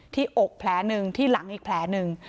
อกแผลหนึ่งที่หลังอีกแผลหนึ่ง